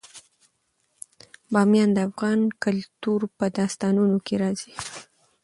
بامیان د افغان کلتور په داستانونو کې راځي.